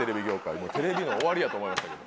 もうテレビの終わりやと思いましたけど。